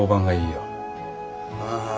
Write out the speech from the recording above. ああ。